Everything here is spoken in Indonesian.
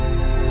ya udah deh